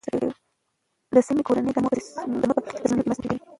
د سالمې کورنۍ د مور په تصمیم نیول کې مرسته کوي.